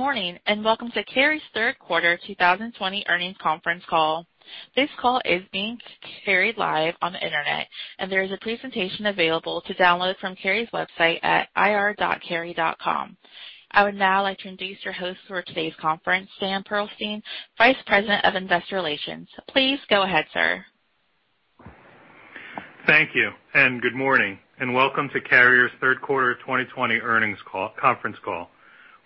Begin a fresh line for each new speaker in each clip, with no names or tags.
Morning, and welcome to Carrier's third quarter 2020 earnings conference call. This call is being carried live on the internet, and there is a presentation available to download from Carrier's website at ir.carrier.com. I would now like to introduce your host for today's conference, Sam Pearlstein, Vice President, Investor Relations. Please go ahead, sir.
Thank you, and good morning, and welcome to Carrier's third quarter 2020 earnings conference call.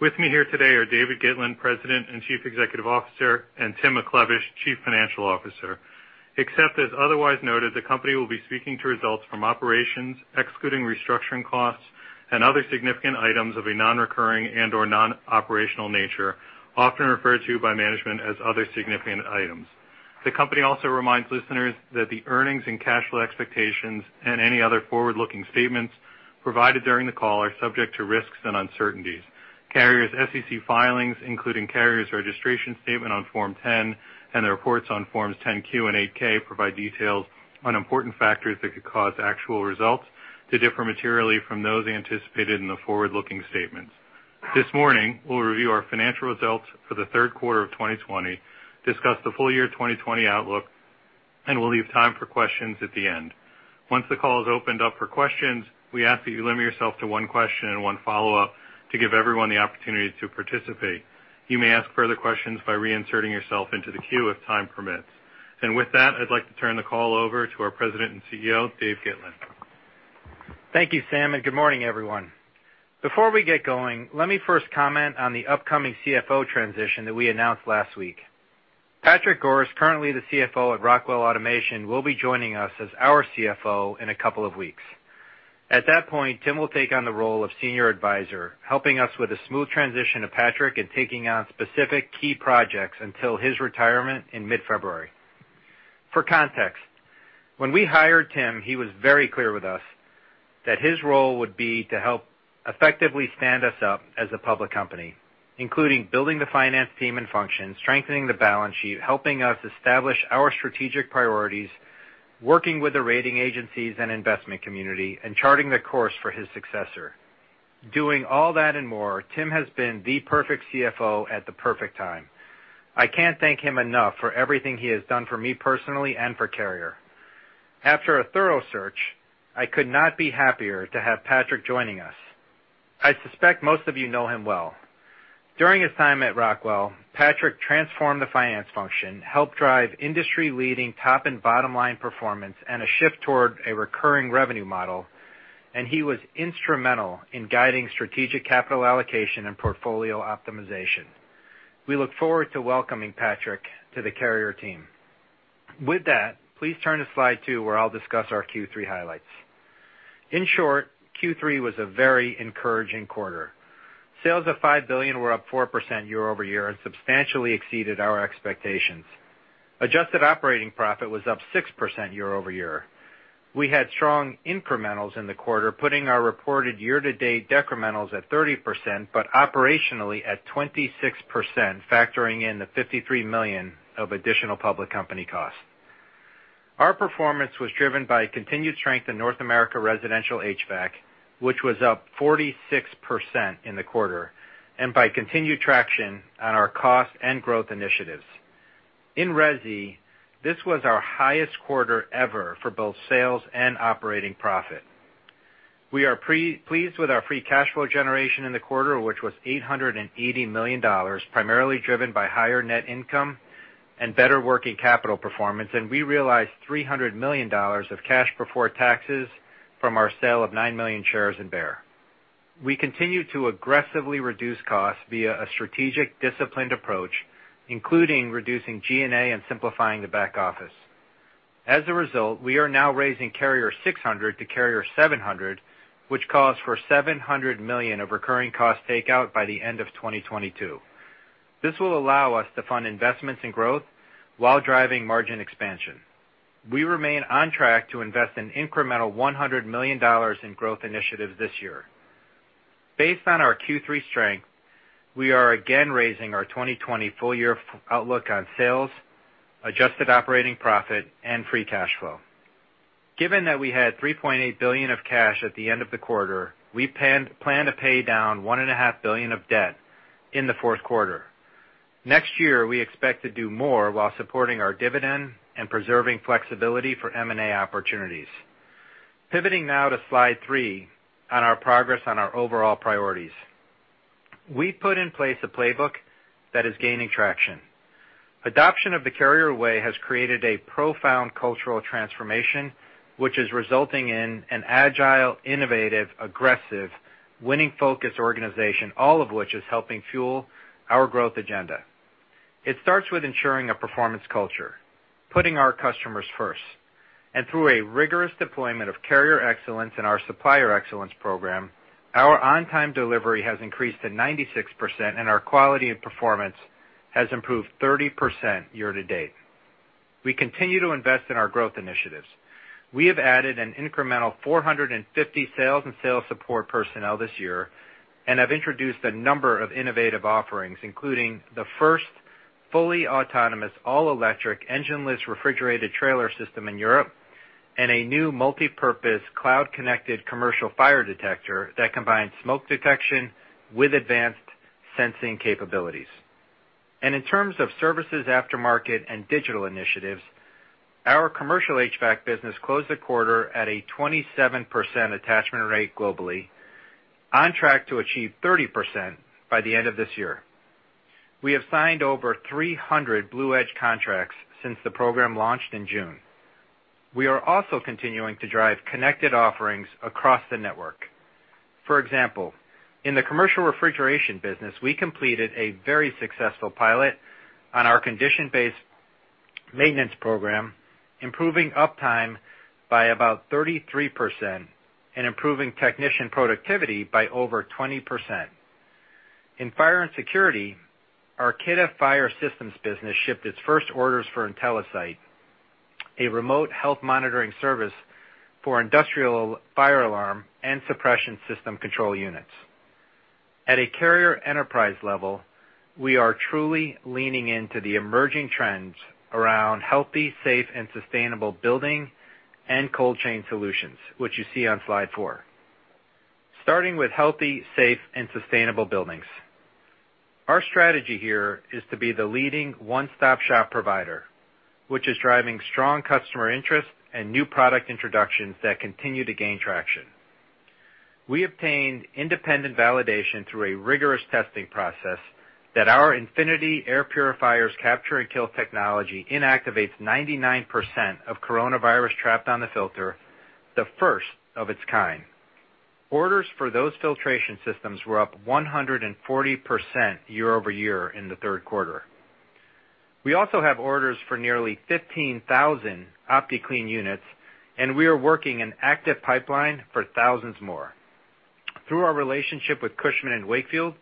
With me here today are David Gitlin, President and Chief Executive Officer, and Tim McLevish, Chief Financial Officer. Except as otherwise noted, the company will be speaking to results from operations excluding restructuring costs and other significant items of a non-recurring and/or non-operational nature, often referred to by management as other significant items. The company also reminds listeners that the earnings and cash flow expectations and any other forward-looking statements provided during the call are subject to risks and uncertainties. Carrier's SEC filings, including Carrier's registration statement on Form 10 and the reports on Forms 10-Q and 8-K, provide details on important factors that could cause actual results to differ materially from those anticipated in the forward-looking statements. This morning, we'll review our financial results for the third quarter of 2020, discuss the full year 2020 outlook, and we'll leave time for questions at the end. Once the call is opened up for questions, we ask that you limit yourself to one question and one follow-up to give everyone the opportunity to participate. You may ask further questions by reinserting yourself into the queue if time permits. With that, I'd like to turn the call over to our President and CEO, Dave Gitlin.
Thank you, Sam. Good morning, everyone. Before we get going, let me first comment on the upcoming CFO transition that we announced last week. Patrick Goris is currently the CFO at Rockwell Automation, will be joining us as our CFO in a couple of weeks. At that point, Tim will take on the role of senior advisor, helping us with a smooth transition to Patrick and taking on specific key projects until his retirement in mid-February. For context, when we hired Tim, he was very clear with us that his role would be to help effectively stand us up as a public company, including building the finance team and function, strengthening the balance sheet, helping us establish our strategic priorities, working with the rating agencies and investment community, and charting the course for his successor. Doing all that and more, Tim has been the perfect CFO at the perfect time. I can't thank him enough for everything he has done for me personally and for Carrier. After a thorough search, I could not be happier to have Patrick joining us. I suspect most of you know him well. During his time at Rockwell, Patrick transformed the finance function, helped drive industry-leading top-and-bottom-line performance, and a shift toward a recurring revenue model, and he was instrumental in guiding strategic capital allocation and portfolio optimization. We look forward to welcoming Patrick to the Carrier team. With that, please turn to slide two, where I'll discuss our Q3 highlights. In short, Q3 was a very encouraging quarter. Sales of $5 billion were up 4% year-over-year and substantially exceeded our expectations. Adjusted operating profit was up 6% year-over-year. We had strong incrementals in the quarter, putting our reported year-to-date decrementals at 30%, but operationally at 26%, factoring in the $53 million of additional public company costs. Our performance was driven by continued strength in North America Residential HVAC, which was up 46% in the quarter, and by continued traction on our cost and growth initiatives. In resi, this was our highest quarter ever for both sales and operating profit. We are pleased with our free cash flow generation in the quarter, which was $880 million, primarily driven by higher net income and better working capital performance, and we realized $300 million of cash before taxes from our sale of 9 million shares in Beijer. We continue to aggressively reduce costs via a strategic disciplined approach, including reducing G&A and simplifying the back office. As a result, we are now raising Carrier 600 to Carrier 700, which calls for $700 million of recurring cost takeout by the end of 2022. This will allow us to fund investments in growth while driving margin expansion. We remain on track to invest an incremental $100 million in growth initiatives this year. Based on our Q3 strength, we are again raising our 2020 full year outlook on sales, adjusted operating profit, and free cash flow. Given that we had $3.8 billion of cash at the end of the quarter, we plan to pay down $1.5 billion of debt in the fourth quarter. Next year, we expect to do more while supporting our dividend and preserving flexibility for M&A opportunities. Pivoting now to slide three on our progress on our overall priorities. We put in place a playbook that is gaining traction. Adoption of the Carrier Way has created a profound cultural transformation, which is resulting in an agile, innovative, aggressive, winning-focused organization, all of which is helping fuel our growth agenda. It starts with ensuring a performance culture, putting our customers first. Through a rigorous deployment of Carrier Excellence and our Supplier Excellence program, our on-time delivery has increased to 96%, and our quality of performance has improved 30% year-to-date. We continue to invest in our growth initiatives. We have added an incremental 450 sales and sales support personnel this year and have introduced a number of innovative offerings, including the first fully autonomous, all electric, engineless, refrigerated trailer system in Europe, and a new multipurpose cloud-connected commercial fire detector that combines smoke detection with advanced sensing capabilities. In terms of services, aftermarket, and digital initiatives, our Commercial HVAC business closed the quarter at a 27% attachment rate globally, on track to achieve 30% by the end of this year. We have signed over 300 BluEdge contracts since the program launched in June. We are also continuing to drive connected offerings across the network. For example, in the Commercial Refrigeration business, we completed a very successful pilot on our condition-based maintenance program, improving uptime by about 33% and improving technician productivity by over 20%. In Fire & Security, our Kidde Fire Systems business shipped its first orders for IntelliSite, a remote health monitoring service for industrial fire alarm and suppression system control units. At a Carrier enterprise level, we are truly leaning into the emerging trends around healthy, safe, and sustainable building and cold chain solutions, which you see on slide four. Starting with healthy, safe, and sustainable buildings. Our strategy here is to be the leading one-stop shop provider, which is driving strong customer interest and new product introductions that continue to gain traction. We obtained independent validation through a rigorous testing process that our Infinity air purifier's Capture & Kills technology inactivates 99% of coronavirus trapped on the filter, the first of its kind. Orders for those filtration systems were up 140% year-over-year in the third quarter. We also have orders for nearly 15,000 OptiClean units, and we are working an active pipeline for thousands more. Through our relationship with Cushman & Wakefield,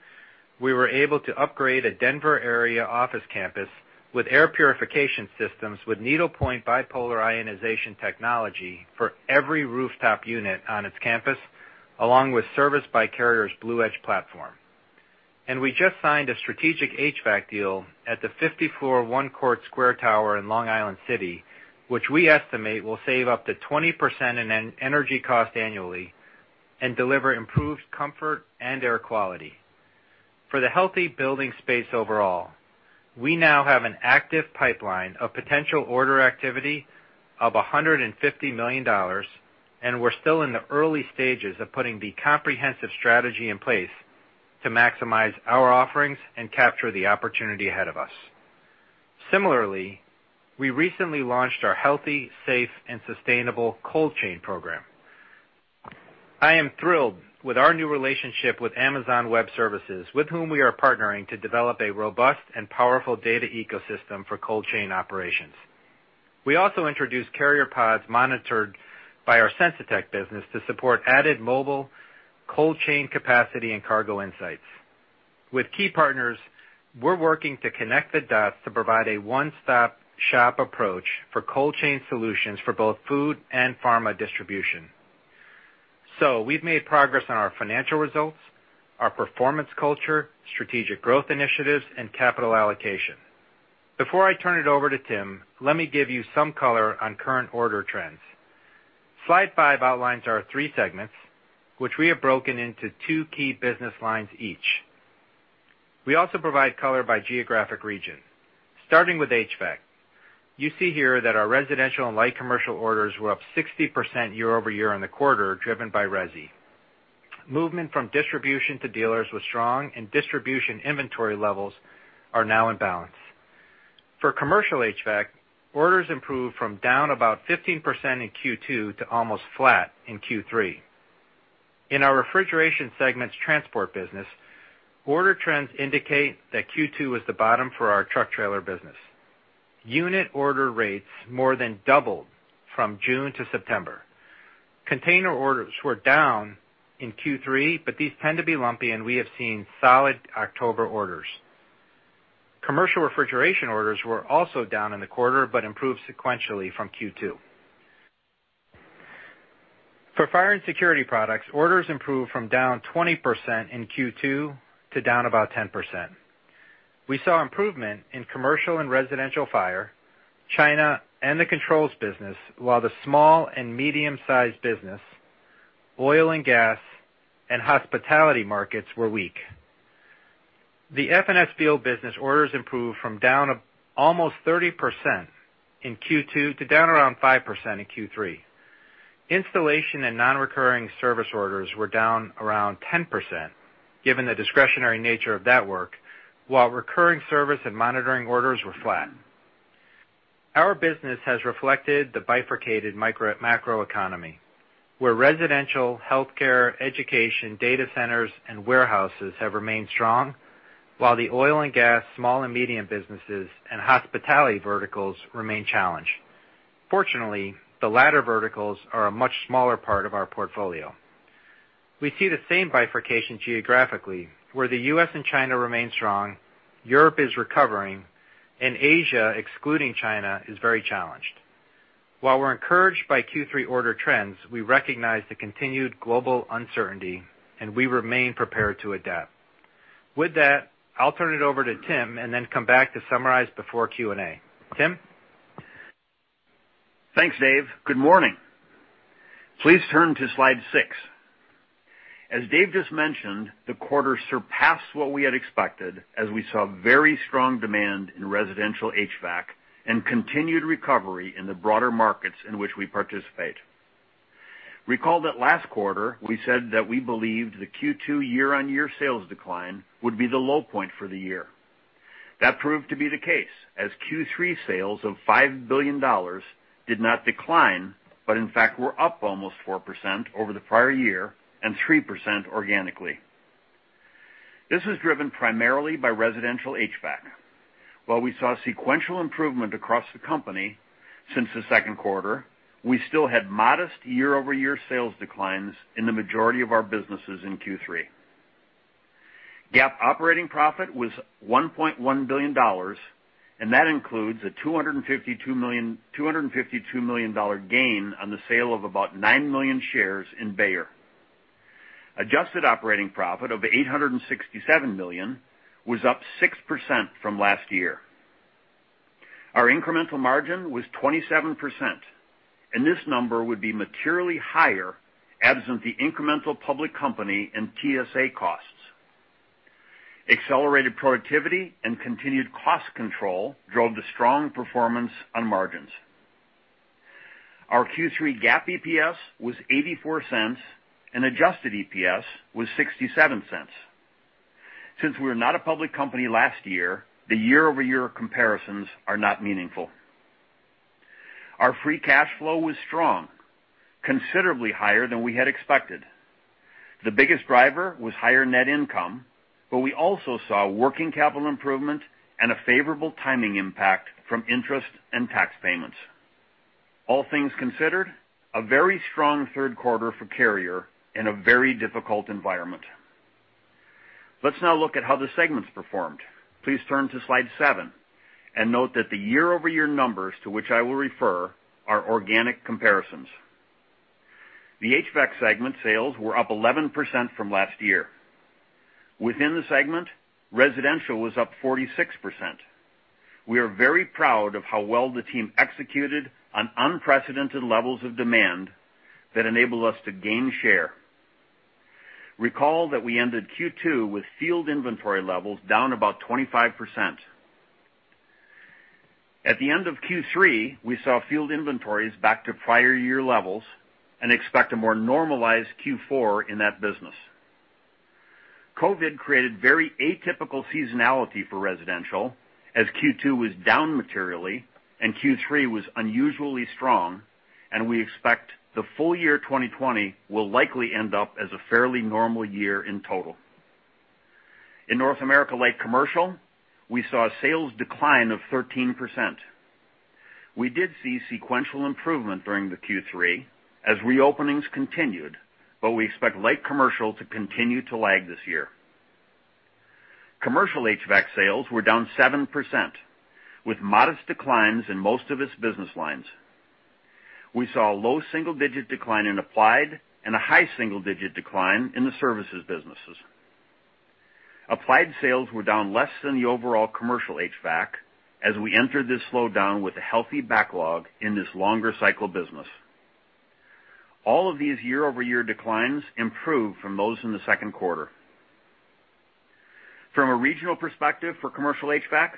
we were able to upgrade a Denver area office campus with air purification systems, with needlepoint bipolar ionization technology for every rooftop unit on its campus, along with service by Carrier's BluEdge platform. We just signed a strategic HVAC deal at the 50-floor One Court Square tower in Long Island City, which we estimate will save up to 20% in energy cost annually and deliver improved comfort and air quality. For the healthy building space overall, we now have an active pipeline of potential order activity of $150 million, and we're still in the early stages of putting the comprehensive strategy in place to maximize our offerings and capture the opportunity ahead of us. Similarly, we recently launched our Healthy, Safe, and Sustainable Cold Chain program. I am thrilled with our new relationship with Amazon Web Services, with whom we are partnering to develop a robust and powerful data ecosystem for cold chain operations. We also introduced Carrier Pods, monitored by our Sensitech business, to support added mobile cold chain capacity and cargo insights. With key partners, we're working to connect the dots to provide a one-stop shop approach for cold chain solutions for both food and pharma distribution. We've made progress on our financial results, our performance culture, strategic growth initiatives, and capital allocation. Before I turn it over to Tim, let me give you some color on current order trends. Slide five outlines our three segments, which we have broken into two key business lines each. We also provide color by geographic region. Starting with HVAC, you see here that our Residential & Light Commercial orders were up 60% year-over-year on the quarter, driven by resi. Movement from distribution to dealers was strong, and distribution inventory levels are now in balance. For Commercial HVAC, orders improved from down about 15% in Q2 to almost flat in Q3. In our refrigeration segment's transport business, order trends indicate that Q2 was the bottom for our truck trailer business. Unit order rates more than doubled from June to September. Container orders were down in Q3, but these tend to be lumpy, and we have seen solid October orders. Commercial Refrigeration orders were also down in the quarter but improved sequentially from Q2. For Fire & Security products, orders improved from down 20% in Q2 to down about 10%. We saw improvement in commercial and residential fire, China, and the controls business, while the small and medium-sized business, oil and gas, and hospitality markets were weak. The F&S field business orders improved from down almost 30% in Q2 to down around 5% in Q3. Installation and non-recurring service orders were down around 10%, given the discretionary nature of that work, while recurring service and monitoring orders were flat. Our business has reflected the bifurcated macroeconomy, where residential, healthcare, education, data centers, and warehouses have remained strong, while the oil and gas, small and medium businesses, and hospitality verticals remain challenged. Fortunately, the latter verticals are a much smaller part of our portfolio. We see the same bifurcation geographically, where the U.S. and China remain strong, Europe is recovering, and Asia, excluding China, is very challenged. While we're encouraged by Q3 order trends, we recognize the continued global uncertainty, and we remain prepared to adapt. With that, I'll turn it over to Tim and then come back to summarize before Q&A. Tim?
Thanks, Dave. Good morning. Please turn to slide six. As Dave just mentioned, the quarter surpassed what we had expected as we saw very strong demand in residential HVAC and continued recovery in the broader markets in which we participate. Recall that last quarter we said that we believed the Q2 year-on-year sales decline would be the low point for the year. That proved to be the case, as Q3 sales of $5 billion did not decline, but in fact were up almost 4% over the prior year, and 3% organically. This was driven primarily by residential HVAC. While we saw sequential improvement across the company since the second quarter, we still had modest year-over-year sales declines in the majority of our businesses in Q3. GAAP operating profit was $1.1 billion, and that includes a $252 million gain on the sale of about 9 million shares in Beijer Ref AB. Adjusted operating profit of $867 million was up 6% from last year. Our incremental margin was 27%, and this number would be materially higher absent the incremental public company and TSA costs. Accelerated productivity and continued cost control drove the strong performance on margins. Our Q3 GAAP EPS was $0.84, and adjusted EPS was $0.67. Since we were not a public company last year, the year-over-year comparisons are not meaningful. Our free cash flow was strong, considerably higher than we had expected. The biggest driver was higher net income, but we also saw working capital improvement and a favorable timing impact from interest and tax payments. All things considered, a very strong third quarter for Carrier in a very difficult environment. Let's now look at how the segments performed. Please turn to slide seven and note that the year-over-year numbers to which I will refer are organic comparisons. The HVAC segment sales were up 11% from last year. Within the segment, residential was up 46%. We are very proud of how well the team executed on unprecedented levels of demand that enabled us to gain share. Recall that we ended Q2 with field inventory levels down about 25%. At the end of Q3, we saw field inventories back to prior year levels and expect a more normalized Q4 in that business. COVID created very atypical seasonality for residential, as Q2 was down materially and Q3 was unusually strong, and we expect the full year 2020 will likely end up as a fairly normal year in total. In North America Light Commercial, we saw a sales decline of 13%. We did see sequential improvement during the Q3 as reopenings continued, but we expect Light Commercial to continue to lag this year. Commercial HVAC sales were down 7%, with modest declines in most of its business lines. We saw a low single-digit decline in applied and a high single-digit decline in the services businesses. Applied sales were down less than the overall Commercial HVAC as we entered this slowdown with a healthy backlog in this longer cycle business. All of these year-over-year declines improved from those in the second quarter. From a regional perspective for Commercial HVAC,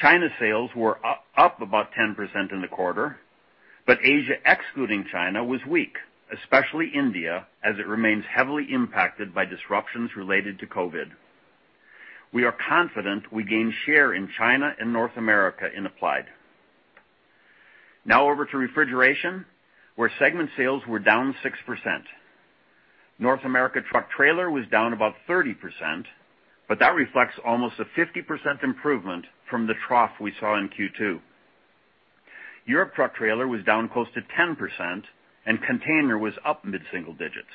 China sales were up about 10% in the quarter, but Asia excluding China was weak, especially India, as it remains heavily impacted by disruptions related to COVID. We are confident we gained share in China and North America in applied. Now over to refrigeration, where segment sales were down 6%. North America truck trailer was down about 30%, but that reflects almost a 50% improvement from the trough we saw in Q2. Europe truck trailer was down close to 10%, and container was up mid-single digits.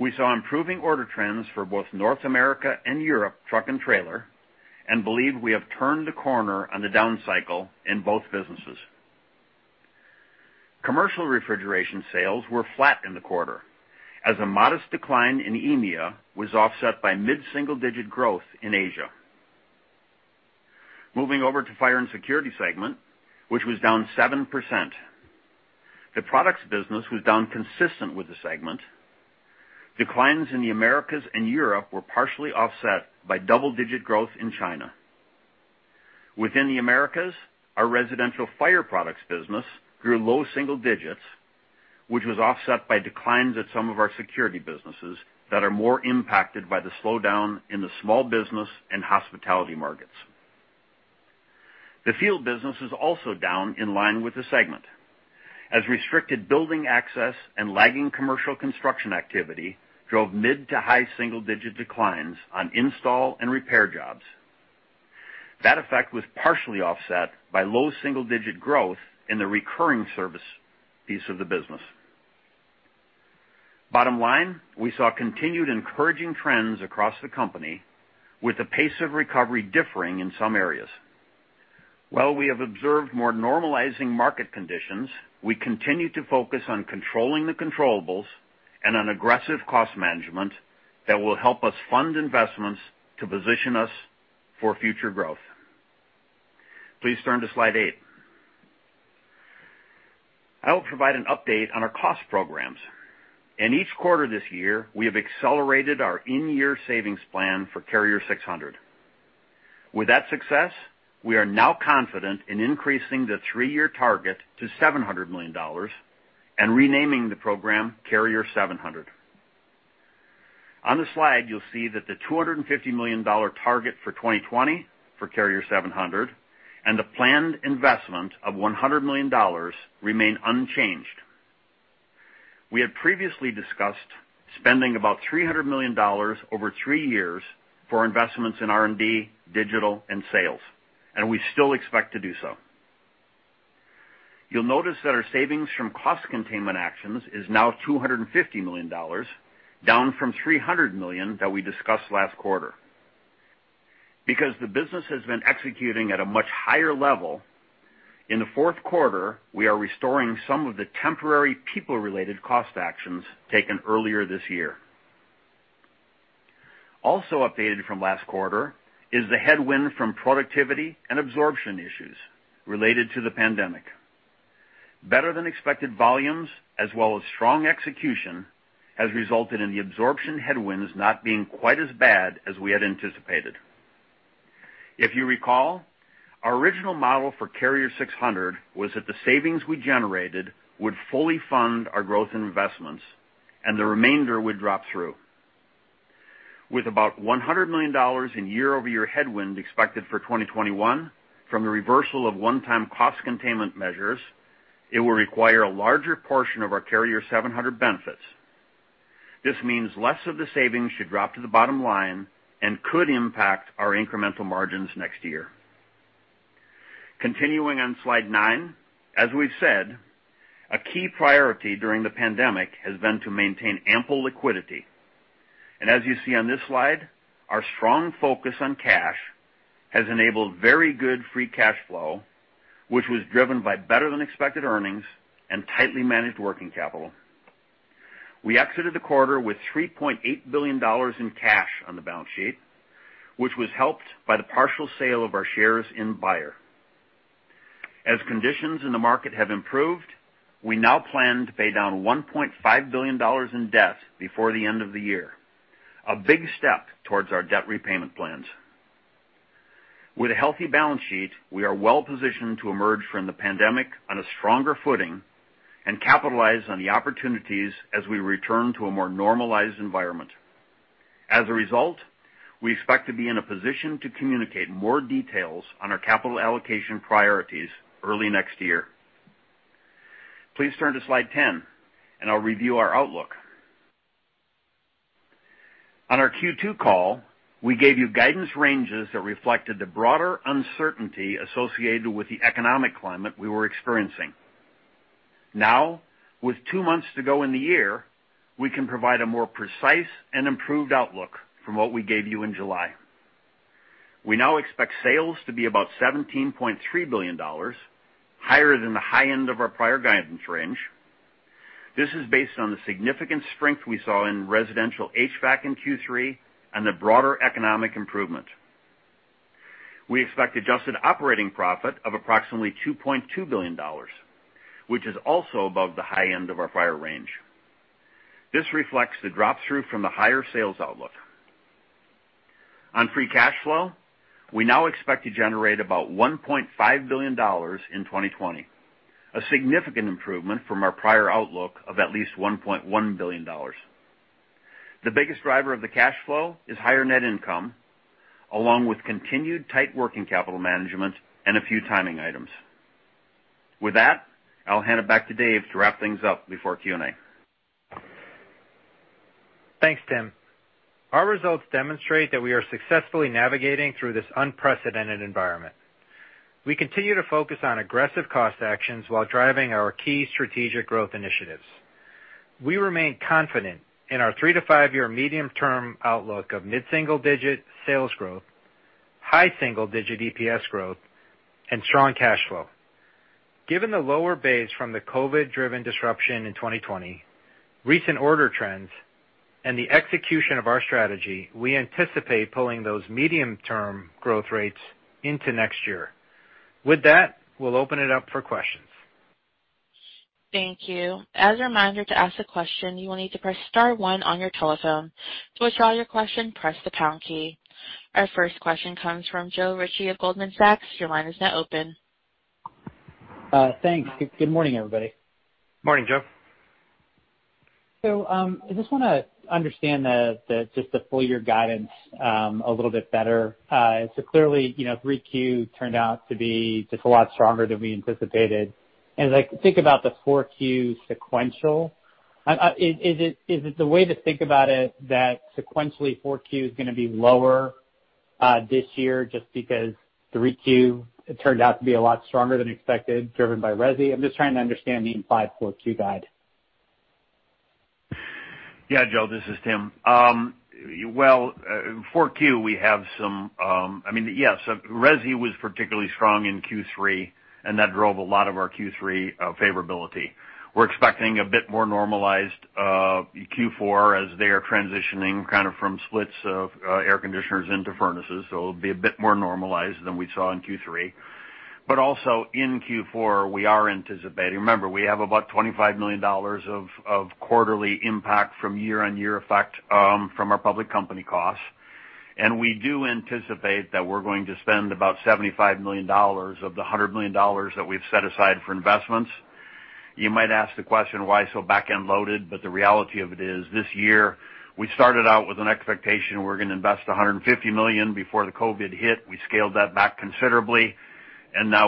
We saw improving order trends for both North America and Europe truck and trailer and believe we have turned the corner on the down cycle in both businesses. Commercial Refrigeration sales were flat in the quarter as a modest decline in EMEA was offset by mid-single-digit growth in Asia. Moving over to Fire & Security segment, which was down 7%. The products business was down consistent with the segment. Declines in the Americas and Europe were partially offset by double-digit growth in China. Within the Americas, our residential fire products business grew low single digits, which was offset by declines at some of our security businesses that are more impacted by the slowdown in the small business and hospitality markets. The field business is also down in line with the segment, as restricted building access and lagging commercial construction activity drove mid to high single-digit declines on install and repair jobs. That effect was partially offset by low double-digit growth in the recurring service piece of the business. Bottom line, we saw continued encouraging trends across the company with the pace of recovery differing in some areas. While we have observed more normalizing market conditions, we continue to focus on controlling the controllables and on aggressive cost management that will help us fund investments to position us for future growth. Please turn to slide eight. I will provide an update on our cost programs. In each quarter this year, we have accelerated our in-year savings plan for Carrier 600. With that success, we are now confident in increasing the three-year target to $700 million and renaming the program Carrier 700. On the slide, you'll see that the $250 million target for 2020 for Carrier 700 and the planned investment of $100 million remain unchanged. We had previously discussed spending about $300 million over three years for investments in R&D, digital, and sales, and we still expect to do so. You'll notice that our savings from cost containment actions is now $250 million, down from $300 million that we discussed last quarter. Because the business has been executing at a much higher level, in the fourth quarter, we are restoring some of the temporary people-related cost actions taken earlier this year. Also updated from last quarter is the headwind from productivity and absorption issues related to the pandemic. Better than expected volumes as well as strong execution has resulted in the absorption headwinds not being quite as bad as we had anticipated. If you recall, our original model for Carrier 600 was that the savings we generated would fully fund our growth and investments, and the remainder would drop through. With about $100 million in year-over-year headwind expected for 2021 from the reversal of one-time cost containment measures, it will require a larger portion of our Carrier 700 benefits. This means less of the savings should drop to the bottom line and could impact our incremental margins next year. Continuing on slide nine. As we've said, a key priority during the pandemic has been to maintain ample liquidity. As you see on this slide, our strong focus on cash has enabled very good free cash flow, which was driven by better than expected earnings and tightly managed working capital. We exited the quarter with $3.8 billion in cash on the balance sheet, which was helped by the partial sale of our shares in Beijer Ref. As conditions in the market have improved, we now plan to pay down $1.5 billion in debt before the end of the year, a big step towards our debt repayment plans. With a healthy balance sheet, we are well-positioned to emerge from the pandemic on a stronger footing and capitalize on the opportunities as we return to a more normalized environment. As a result, we expect to be in a position to communicate more details on our capital allocation priorities early next year. Please turn to slide 10, and I'll review our outlook. On our Q2 call, we gave you guidance ranges that reflected the broader uncertainty associated with the economic climate we were experiencing. With two months to go in the year, we can provide a more precise and improved outlook from what we gave you in July. We now expect sales to be about $17.3 billion, higher than the high end of our prior guidance range. This is based on the significant strength we saw in residential HVAC in Q3 and the broader economic improvement. We expect adjusted operating profit of approximately $2.2 billion, which is also above the high end of our prior range. This reflects the drop-through from the higher sales outlook. On free cash flow, we now expect to generate about $1.5 billion in 2020, a significant improvement from our prior outlook of at least $1.1 billion. The biggest driver of the cash flow is higher net income, along with continued tight working capital management and a few timing items. With that, I'll hand it back to Dave to wrap things up before Q&A.
Thanks, Tim. Our results demonstrate that we are successfully navigating through this unprecedented environment. We continue to focus on aggressive cost actions while driving our key strategic growth initiatives. We remain confident in our three to five-year medium-term outlook of mid-single-digit sales growth, high single-digit EPS growth, and strong cash flow. Given the lower base from the COVID-driven disruption in 2020, recent order trends, and the execution of our strategy, we anticipate pulling those medium-term growth rates into next year. With that, we'll open it up for questions.
Thank you. As a reminder, to ask a question, you will need to press star one on your telephone. To withdraw your question, press the pound key. Our first question comes from Joe Ritchie of Goldman Sachs. Your line is now open.
Thanks. Good morning, everybody.
Morning, Joe.
I just want to understand just the full-year guidance a little bit better. Clearly, 3Q turned out to be just a lot stronger than we anticipated. As I think about the 4Q sequential, is it the way to think about it that sequentially 4Q is going to be lower this year just because 3Q turned out to be a lot stronger than expected, driven by resi? I'm just trying to understand the implied 4Q guide.
Yeah, Joe, this is Tim. Well, 4Q, yes, resi was particularly strong in Q3. That drove a lot of our Q3 favorability. We're expecting a bit more normalized Q4 as they are transitioning from splits of air conditioners into furnaces. It'll be a bit more normalized than we saw in Q3. Also in Q4, we are anticipating. Remember, we have about $25 million of quarterly impact from year-on-year effect from our public company costs. We do anticipate that we're going to spend about $75 million of the $100 million that we've set aside for investments. You might ask the question, why so back-end loaded? The reality of it is this year we started out with an expectation we're going to invest $150 million before the COVID hit. We scaled that back considerably, now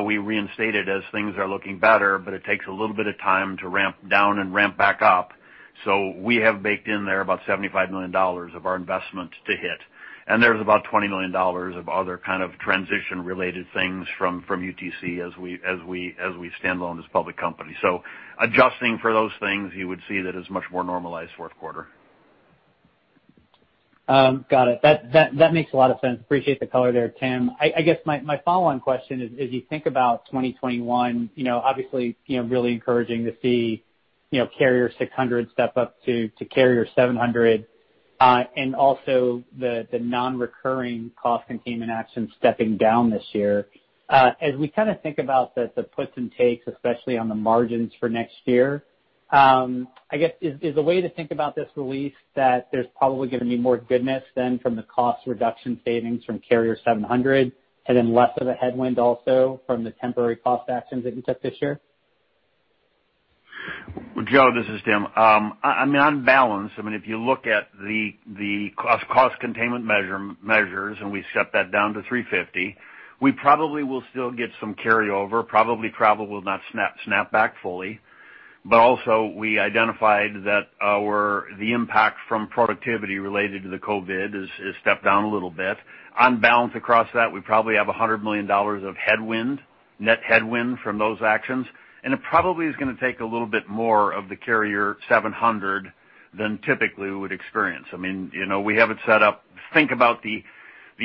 we reinstate it as things are looking better, it takes a little bit of time to ramp down and ramp back up. We have baked in there about $75 million of our investment to hit, there's about $20 million of other kind of transition-related things from UTC as we stand alone as a public company. Adjusting for those things, you would see that as much more normalized fourth quarter.
Got it. That makes a lot of sense. Appreciate the color there, Tim. I guess my follow-on question is, as you think about 2021, obviously, really encouraging to see Carrier 600 step up to Carrier 700, and also the non-recurring cost containment action stepping down this year. As we think about the puts and takes, especially on the margins for next year, I guess, is the way to think about this release that there's probably going to be more goodness then from the cost reduction savings from Carrier 700 and then less of a headwind also from the temporary cost actions that you took this year?
Joe, this is Tim. On balance, if you look at the cost containment measures, and we set that down to $350 million, we probably will still get some carryover, probably will not snap back fully. Also we identified that the impact from productivity related to the COVID has stepped down a little bit. On balance across that, we probably have $100 million of net headwind from those actions, and it probably is going to take a little bit more of the Carrier 700 than typically we would experience. We have it set up. Think about the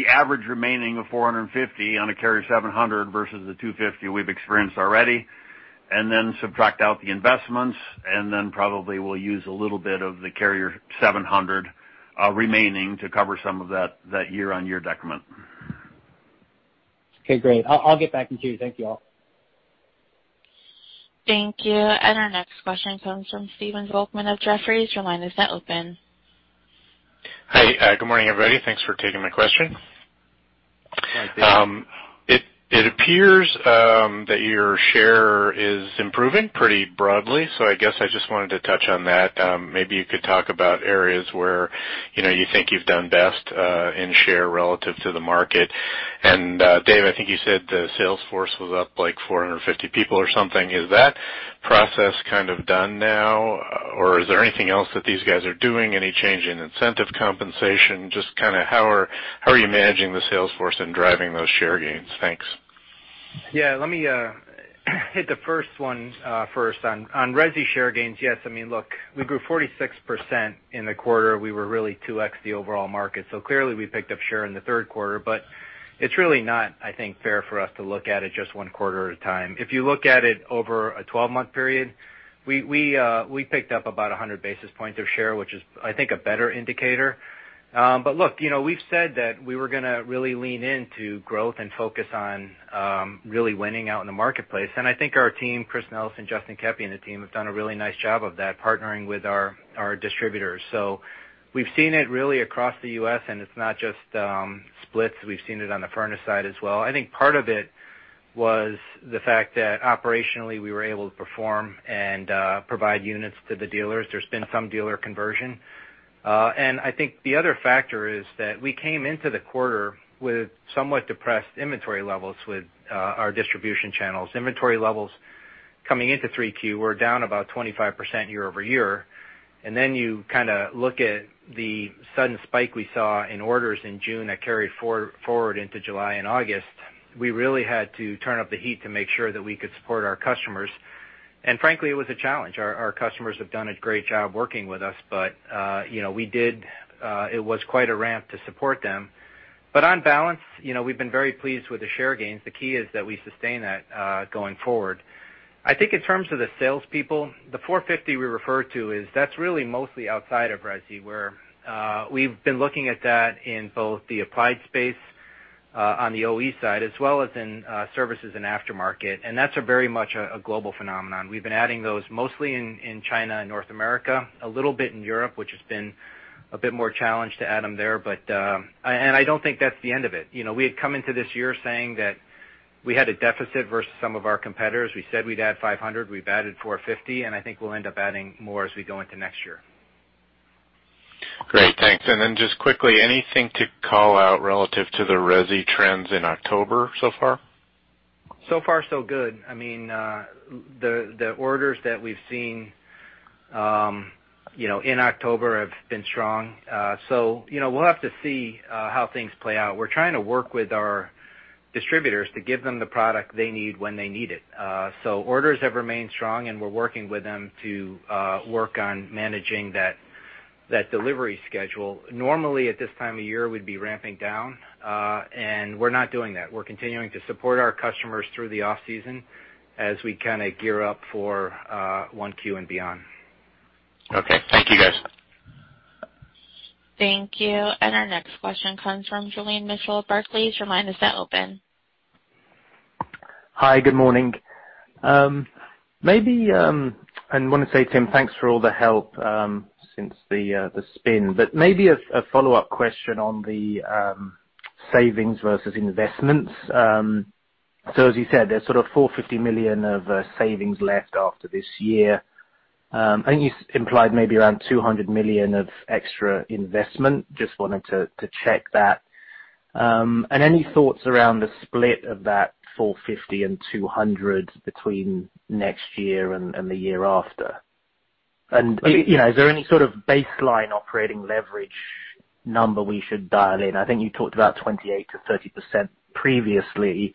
average remaining of $450 million on a Carrier 700 versus the $250 million we've experienced already, and then subtract out the investments, and then probably we'll use a little bit of the Carrier 700 remaining to cover some of that year-on-year decrement.
Okay, great. I'll get back in queue. Thank you all.
Thank you. Our next question comes from Stephen Volkmann of Jefferies. Your line is now open.
Hi. Good morning, everybody. Thanks for taking my question.
Hi, Steve.
It appears that your share is improving pretty broadly. I guess I just wanted to touch on that. Maybe you could talk about areas where you think you've done best in share relative to the market. Dave, I think you said the sales force was up 450 people or something. Is that process kind of done now, or is there anything else that these guys are doing? Any change in incentive compensation? Just how are you managing the sales force and driving those share gains? Thanks.
Let me hit the first one first. On resi share gains, yes. Look, we grew 46% in the quarter. We were really 2x the overall market. Clearly we picked up share in the third quarter, but it's really not, I think, fair for us to look at it just one quarter at a time. If you look at it over a 12-month period, we picked up about 100 basis points of share, which is, I think, a better indicator. Look, we've said that we were going to really lean into growth and focus on really winning out in the marketplace. I think our team, Chris Nelson, Justin Keppy, and the team, have done a really nice job of that, partnering with our distributors. We've seen it really across the U.S., and it's not just splits. We've seen it on the furnace side as well. I think part of it was the fact that operationally, we were able to perform and provide units to the dealers. There's been some dealer conversion. I think the other factor is that we came into the quarter with somewhat depressed inventory levels with our distribution channels. Inventory levels coming into 3Q were down about 25% year-over-year. Then you kind of look at the sudden spike we saw in orders in June that carried forward into July and August. We really had to turn up the heat to make sure that we could support our customers. Frankly, it was a challenge. Our customers have done a great job working with us, but it was quite a ramp to support them. On balance, we've been very pleased with the share gains. The key is that we sustain that going forward. I think in terms of the salespeople, the 450 we refer to is, that's really mostly outside of resi, where we've been looking at that in both the applied space, on the OE side, as well as in services and aftermarket. I don't think that's the end of it. We had come into this year saying that we had a deficit versus some of our competitors. We said we'd add 500, we've added 450, and I think we'll end up adding more as we go into next year.
Great. Thanks. Just quickly, anything to call out relative to the resi trends in October so far?
Far so good. The orders that we've seen in October have been strong. We'll have to see how things play out. We're trying to work with our distributors to give them the product they need when they need it. Orders have remained strong, and we're working with them to work on managing that delivery schedule. Normally at this time of year, we'd be ramping down, and we're not doing that. We're continuing to support our customers through the off-season as we kind of gear up for 1Q and beyond.
Okay. Thank you, guys.
Thank you. Our next question comes from Julian Mitchell of Barclays. Your line is now open.
Hi, good morning. I want to say, Tim, thanks for all the help since the spin. Maybe a follow-up question on the savings versus investments. As you said, there's sort of $450 million of savings left after this year. I think you implied maybe around $200 million of extra investment. Just wanted to check that. Any thoughts around the split of that $450 million and $200 million between next year and the year after? Is there any sort of baseline operating leverage number we should dial in? I think you talked about 28%-30% previously.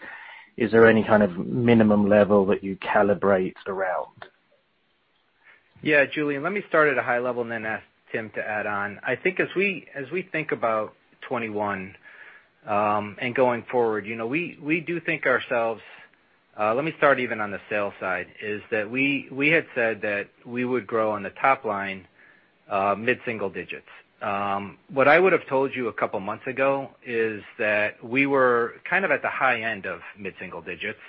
Is there any kind of minimum level that you calibrate around?
Julian, let me start at a high level and then ask Tim to add on. I think as we think about 2021 and going forward, let me start even on the sales side, is that we had said that we would grow on the top line mid-single digits. What I would have told you a couple of months ago is that we were kind of at the high end of mid-single digits,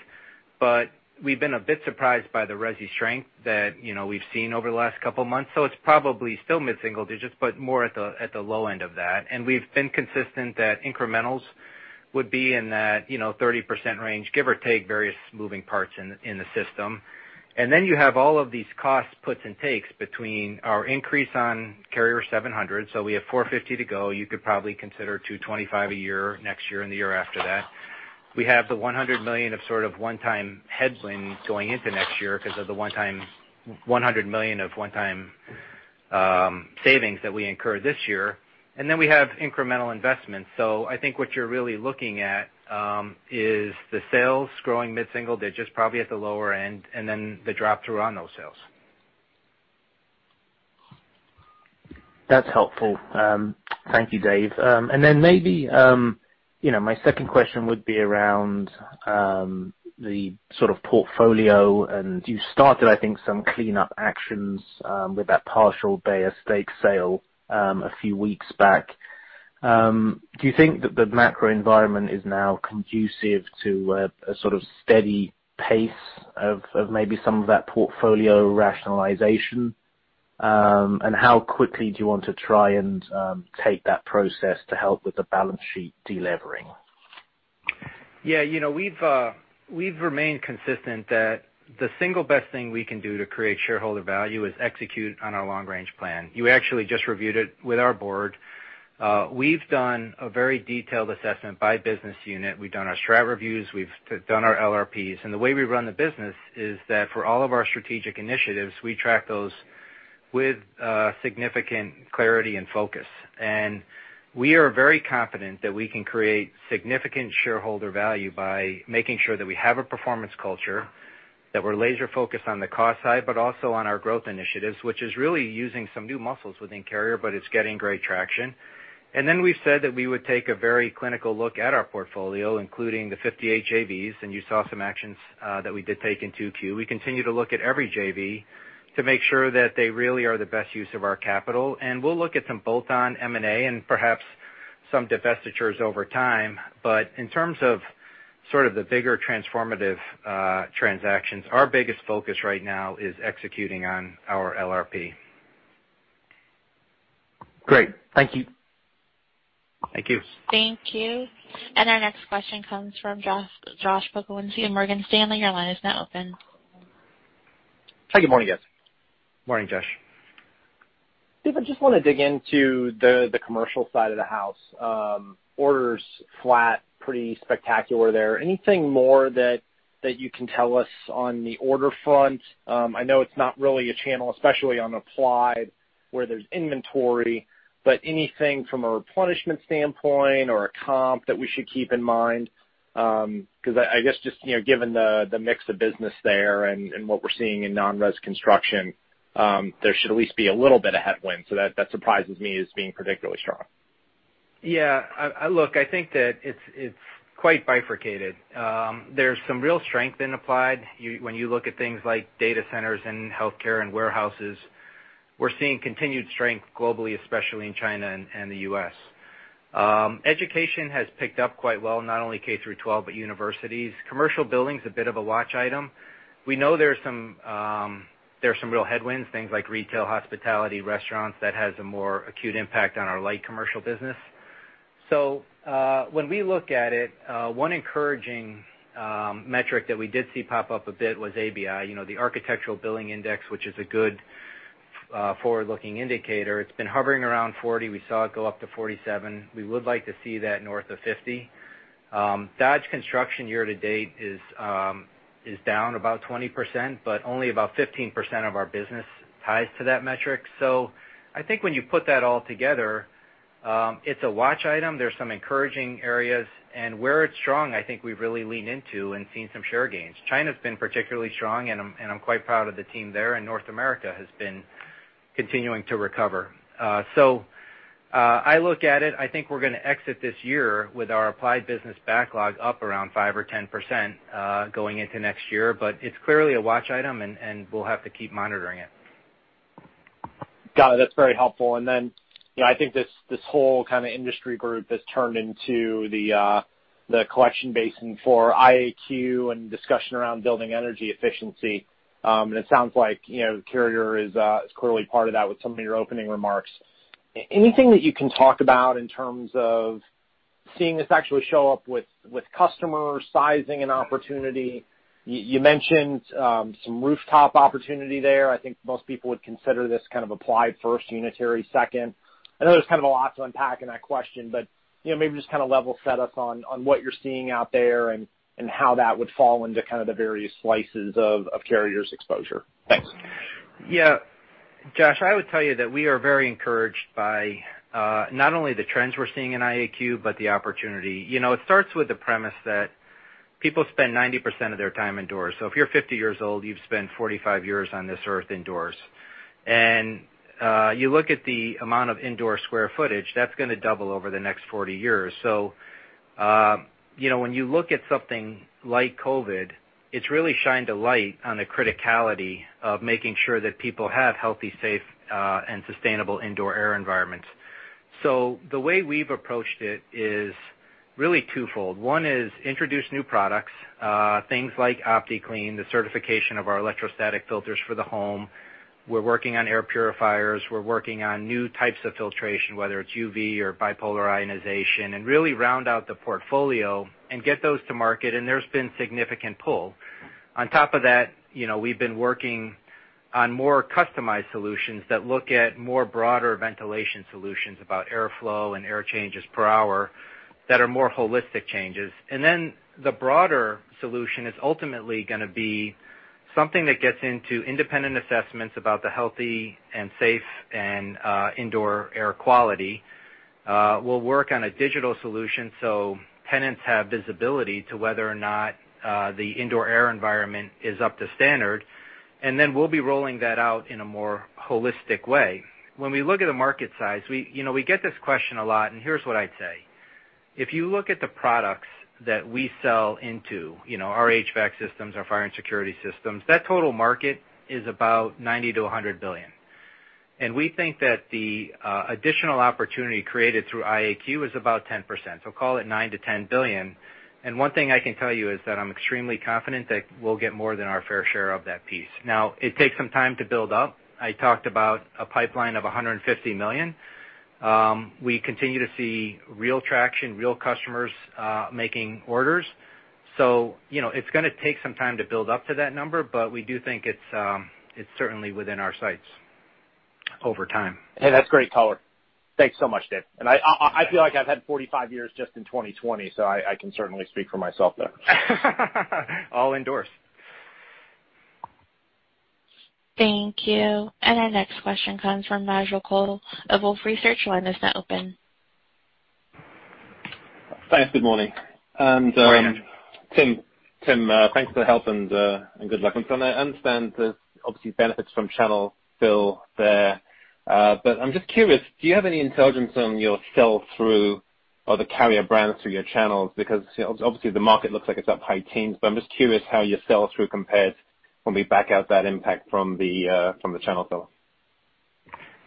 but we've been a bit surprised by the resi strength that we've seen over the last couple of months. It's probably still mid-single digits, but more at the low end of that. We've been consistent that incrementals would be in that 30% range, give or take various moving parts in the system. You have all of these cost puts and takes between our increase on Carrier 700. We have $450 million to go. You could probably consider $225 million a year next year and the year after that. We have the $100 million of sort of one-time headwind going into next year because of the $100 million of one-time savings that we incurred this year. We have incremental investments. I think what you're really looking at is the sales growing mid-single digits probably at the lower end, and then the drop through on those sales.
That's helpful. Thank you, Dave. Maybe my second question would be around the sort of portfolio, and you started, I think, some cleanup actions with that partial Beijer stake sale a few weeks back. Do you think that the macro environment is now conducive to a sort of steady pace of maybe some of that portfolio rationalization? How quickly do you want to try and take that process to help with the balance sheet de-levering?
Yeah, we've remained consistent that the single best thing we can do to create shareholder value is execute on our long-range plan. You actually just reviewed it with our board. We've done a very detailed assessment by business unit. We've done our strat reviews, we've done our LRPs. The way we run the business is that for all of our strategic initiatives, we track those with significant clarity and focus. We are very confident that we can create significant shareholder value by making sure that we have a performance culture, that we're laser focused on the cost side, but also on our growth initiatives, which is really using some new muscles within Carrier, but it's getting great traction. We've said that we would take a very clinical look at our portfolio, including the 58 JVs, and you saw some actions that we did take in 2Q. We continue to look at every JV to make sure that they really are the best use of our capital, and we'll look at some bolt-on M&A and perhaps some divestitures over time. In terms of sort of the bigger transformative transactions, our biggest focus right now is executing on our LRP.
Great. Thank you.
Thank you.
Thank you. Our next question comes from Josh Pokrzywinski of Morgan Stanley. Your line is now open.
Hi, good morning, guys.
Morning, Josh.
Dave, I just want to dig into the commercial side of the house. Orders flat, pretty spectacular there. Anything more that you can tell us on the order front? I know it's not really a channel, especially on applied, where there's inventory, but anything from a replenishment standpoint or a comp that we should keep in mind? I guess just given the mix of business there and what we're seeing in non-res construction, there should at least be a little bit of headwind. That surprises me as being particularly strong.
Look, I think that it's quite bifurcated. There's some real strength in applied when you look at things like data centers and healthcare and warehouses. We're seeing continued strength globally, especially in China and the U.S. Education has picked up quite well, not only K through 12, but universities. Commercial building's a bit of a watch item. We know there are some real headwinds, things like retail, hospitality, restaurants, that has a more acute impact on our light commercial business. When we look at it, one encouraging metric that we did see pop up a bit was ABI, the Architecture Billings Index, which is a good forward-looking indicator. It's been hovering around 40. We saw it go up to 47. We would like to see that north of 50. Dodge construction year-to-date is down about 20%, but only about 15% of our business ties to that metric. I think when you put that all together, it's a watch item. There's some encouraging areas, and where it's strong, I think we've really leaned into and seen some share gains. China's been particularly strong, and I'm quite proud of the team there, and North America has been continuing to recover. I look at it, I think we're going to exit this year with our applied business backlog up around 5% or 10% going into next year. It's clearly a watch item, and we'll have to keep monitoring it.
Got it. That's very helpful. I think this whole kind of industry group has turned into the collection basin for IAQ and discussion around building energy efficiency. It sounds like Carrier is clearly part of that with some of your opening remarks. Anything that you can talk about in terms of seeing this actually show up with customer sizing and opportunity? You mentioned some rooftop opportunity there. I think most people would consider this kind of applied first, unitary second. I know there's kind of a lot to unpack in that question, but maybe just kind of level set us on what you're seeing out there and how that would fall into kind of the various slices of Carrier's exposure. Thanks.
Josh, I would tell you that we are very encouraged by not only the trends we're seeing in IAQ, but the opportunity. It starts with the premise that people spend 90% of their time indoors. If you're 50 years old, you've spent 45 years on this earth indoors. You look at the amount of indoor square footage, that's going to double over the next 40 years. When you look at something like COVID, it's really shined a light on the criticality of making sure that people have healthy, safe, and sustainable indoor air environments. The way we've approached it is really twofold. One is introduce new products. Things like OptiClean, the certification of our electrostatic filters for the home. We're working on air purifiers. We're working on new types of filtration, whether it's UV or bipolar ionization, and really round out the portfolio and get those to market, and there's been significant pull. On top of that, we've been working on more customized solutions that look at more broader ventilation solutions about airflow and air changes per hour that are more holistic changes. Then the broader solution is ultimately gonna be something that gets into independent assessments about the healthy and safe and indoor air quality. We'll work on a digital solution so tenants have visibility to whether or not the indoor air environment is up to standard, and then we'll be rolling that out in a more holistic way. When we look at the market size, we get this question a lot, and here's what I'd say. If you look at the products that we sell into, our HVAC systems, our fire and security systems, that total market is about $90 billion-$100 billion. We think that the additional opportunity created through IAQ is about 10%, so call it $9 billion-$10 billion. One thing I can tell you is that I'm extremely confident that we'll get more than our fair share of that piece. Now, it takes some time to build up. I talked about a pipeline of $150 million. We continue to see real traction, real customers making orders. it's gonna take some time to build up to that number, but we do think it's certainly within our sights over time.
Hey, that's great color. Thanks so much, Dave. I feel like I've had 45 years just in 2020, so I can certainly speak for myself there.
All indoors.
Thank you. Our next question comes from Nigel Coe of Wolfe Research. Your line is now open.
Thanks. Good morning.
Morning.
Tim. Tim, thanks for the help and good luck. I understand there's obviously benefits from channel fill there. I'm just curious, do you have any intelligence on your sell-through of the Carrier brands through your channels? Obviously the market looks like it's up high teens, but I'm just curious how your sell-through compares when we back out that impact from the channel fill.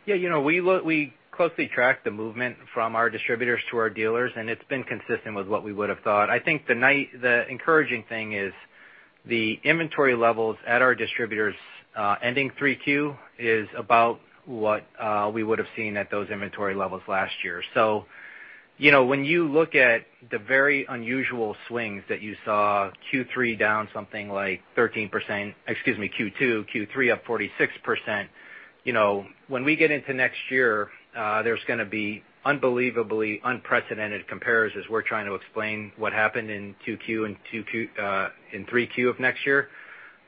We closely track the movement from our distributors to our dealers, and it's been consistent with what we would have thought. I think the encouraging thing is the inventory levels at our distributors ending Q3 is about what we would have seen at those inventory levels last year. When you look at the very unusual swings that you saw Q3 down something like 13%, excuse me, Q2, Q3 up 46%, when we get into next year, there's gonna be unbelievably unprecedented compares as we're trying to explain what happened in Q2 and Q3 of next year.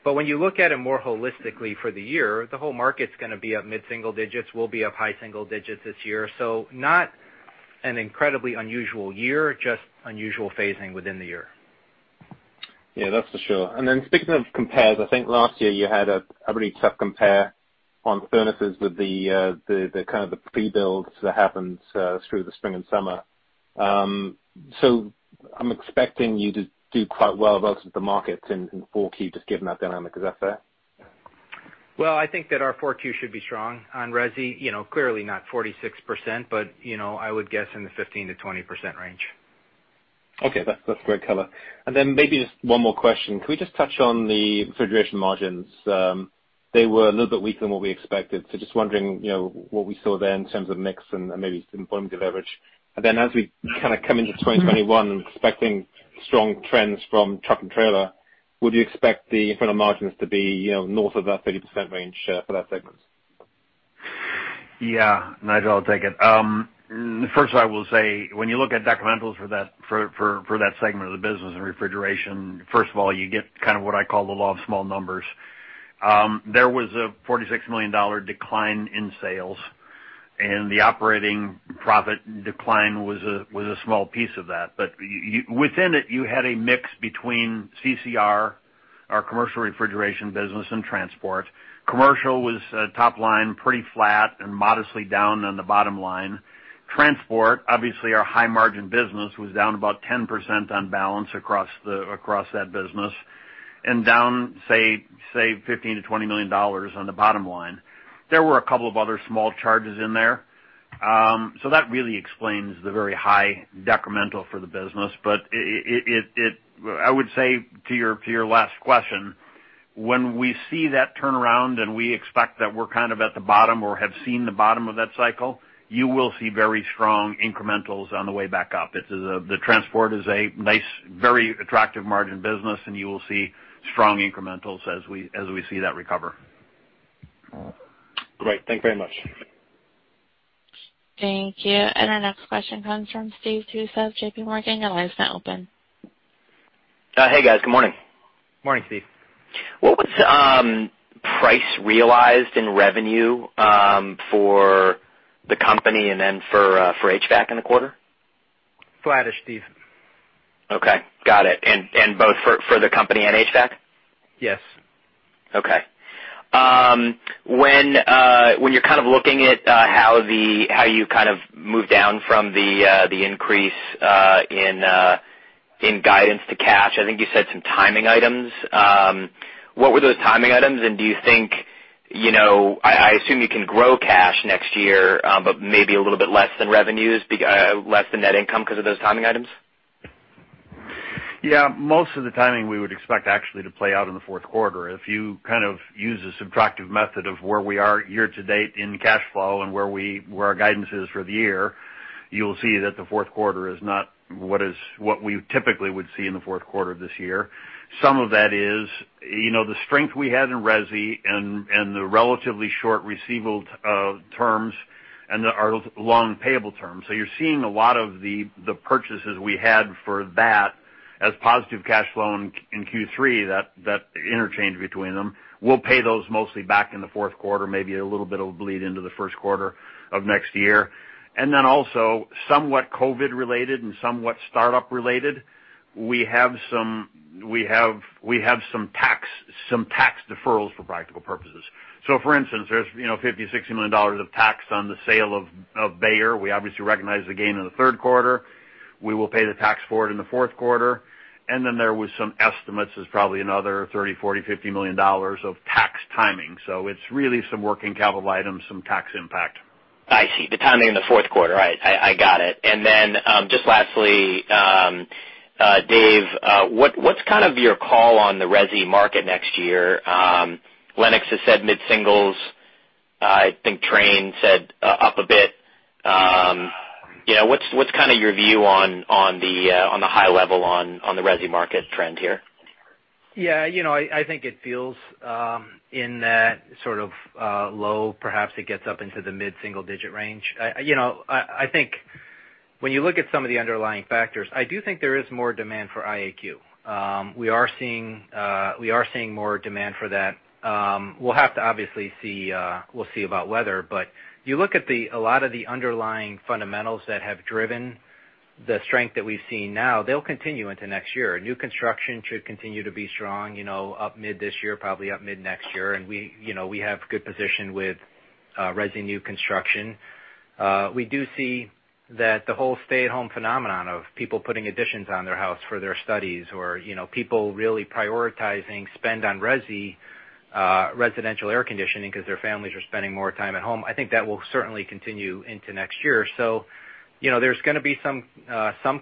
When you look at it more holistically for the year, the whole market's gonna be up mid-single digits. We'll be up high single digits this year. Not an incredibly unusual year, just unusual phasing within the year.
Yeah, that's for sure. Speaking of compares, I think last year you had a really tough compare on furnaces with the kind of the pre-builds that happened through the spring and summer. I'm expecting you to do quite well versus the markets in 4Q just given that dynamic. Is that fair?
Well, I think that our 4Q should be strong on resi. Clearly not 46%, but I would guess in the 15%-20% range.
Okay. That's great color. Maybe just one more question. Could we just touch on the refrigeration margins? They were a little bit weaker than what we expected. Just wondering what we saw there in terms of mix and maybe some point of leverage. As we kind of come into 2021 and expecting strong trends from truck and trailer. Would you expect the incremental margins to be north of that 30% range for that segment?
Nigel, I'll take it. First I will say, when you look at decrementals for that segment of the business in refrigeration, first of all, you get kind of what I call the law of small numbers. There was a $46 million decline in sales, and the operating profit decline was a small piece of that. Within it, you had a mix between CCR, our Commercial Refrigeration business, and transport. Commercial was top line, pretty flat and modestly down on the bottom line. Transport, obviously our high margin business, was down about 10% on balance across that business, and down, say, $15 million-$20 million on the bottom line. There were a couple of other small charges in there. That really explains the very high decremental for the business. I would say to your last question, when we see that turnaround and we expect that we're kind of at the bottom or have seen the bottom of that cycle, you will see very strong incrementals on the way back up. The transport is a nice, very attractive margin business, and you will see strong incrementals as we see that recover.
Great. Thank you very much.
Thank you. Our next question comes from Steve Tusa, JPMorgan. Your line's now open.
Hey, guys. Good morning.
Morning, Steve.
What was price realized in revenue for the company and then for HVAC in the quarter?
Flattish, Steve.
Okay. Got it. Both for the company and HVAC?
Yes.
Okay. When you're kind of looking at how you kind of move down from the increase in guidance to cash, I think you said some timing items. What were those timing items, and I assume you can grow cash next year, but maybe a little bit less than net income because of those timing items?
Yeah, most of the timing we would expect actually to play out in the fourth quarter. If you kind of use a subtractive method of where we are year-to-date in cash flow and where our guidance is for the year, you'll see that the fourth quarter is not what we typically would see in the fourth quarter this year. Some of that is the strength we had in resi and the relatively short receivable terms and our long payable terms. You're seeing a lot of the purchases we had for that as positive cash flow in Q3, that interchange between them. We'll pay those mostly back in the fourth quarter, maybe a little bit will bleed into the first quarter of next year. Then also, somewhat COVID related and somewhat startup related, we have some tax deferrals for practical purposes. For instance, there's $50 million-$60 million of tax on the sale of Beijer. We obviously recognized the gain in the third quarter. We will pay the tax for it in the fourth quarter. Then there was some estimates as probably another $30 million-$50 million of tax timing. It's really some working capital items, some tax impact.
I see. The timing in the fourth quarter. Right. I got it. Just lastly, Dave, what's kind of your call on the resi market next year? Lennox has said mid-singles. I think Trane said up a bit. What's kind of your view on the high level on the resi market trend here?
Yeah, I think it feels in that sort of low, perhaps it gets up into the mid-single digit range. I think when you look at some of the underlying factors, I do think there is more demand for IAQ. We are seeing more demand for that. We'll have to obviously see about weather, but you look at a lot of the underlying fundamentals that have driven the strength that we've seen now, they'll continue into next year. New construction should continue to be strong up mid this year, probably up mid next year, and we have good position with resi new construction. We do see that the whole stay-at-home phenomenon of people putting additions on their house for their studies or people really prioritizing spend on resi, residential air conditioning, because their families are spending more time at home. I think that will certainly continue into next year. There's going to be some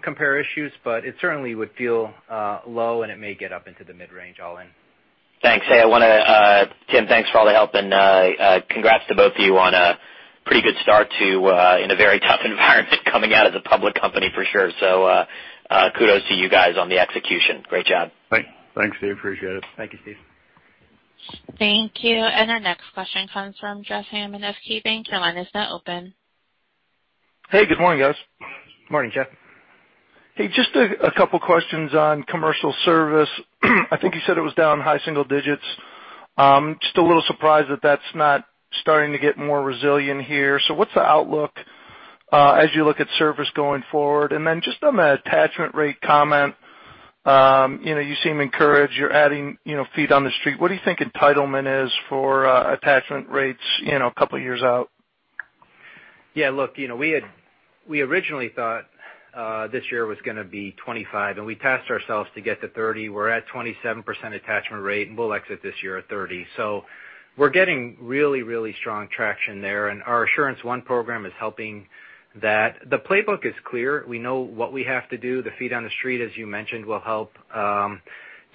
compare issues, but it certainly would feel low and it may get up into the mid-range, all in.
Thanks. Tim, thanks for all the help and congrats to both of you on a pretty good start in a very tough environment coming out as a public company for sure. Kudos to you guys on the execution. Great job.
Thanks, Steve, appreciate it.
Thank you, Steve.
Thank you. Our next question comes from Jeff Hammond, KeyBanc. Your line is now open.
Hey, good morning, guys.
Morning, Jeff.
Hey, just a couple of questions on commercial service. I think you said it was down high single digits. Just a little surprised that that's not starting to get more resilient here. What's the outlook as you look at service going forward? Just on the attachment rate comment, you seem encouraged, you're adding feet on the street. What do you think entitlement is for attachment rates a couple of years out?
Yeah, look, we originally thought this year was going to be 25%, and we tasked ourselves to get to 30%. We're at 27% attachment rate, and we'll exit this year at 30%. We're getting really strong traction there, and our Assurance One program is helping that. The playbook is clear. We know what we have to do. The feet on the street, as you mentioned, will help.